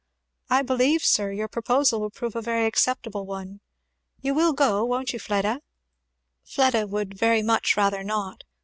I believe, sir, your proposal will prove a very acceptable one. You will go, won't you, Fleda?" Fleda would very much rather not!